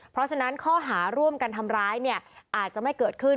เพราะฉะนั้นข้อหาร่วมกันทำร้ายเนี่ยอาจจะไม่เกิดขึ้น